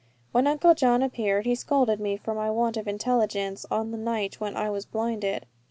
When Uncle John appeared, he scolded me for my want of intelligence on the night when I was blinded.